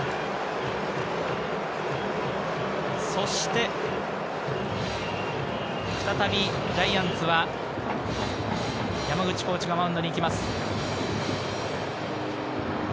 そして再びジャイアンツは山口コーチがマウンドに行きます。